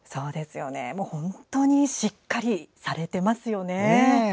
本当にしっかりされてますよね。